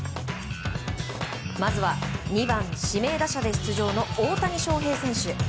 まずは２番指名打者で出場の大谷翔平選手。